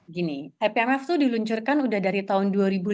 gini ipmf itu diluncurkan udah dari tahun dua ribu lima belas